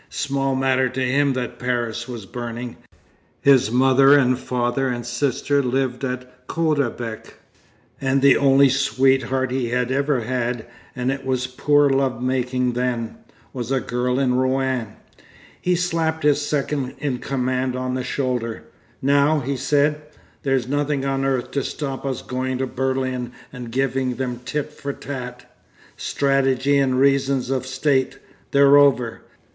Small matter to him that Paris was burning. His mother and father and sister lived at Caudebec; and the only sweetheart he had ever had, and it was poor love making then, was a girl in Rouen. He slapped his second in command on the shoulder. 'Now,' he said, 'there's nothing on earth to stop us going to Berlin and giving them tit for tat.... Strategy and reasons of state—they're over....